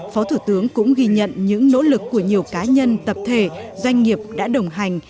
phó thủ tướng cũng ghi nhận những nỗ lực của nhiều cá nhân tập thể doanh nghiệp đã đồng hành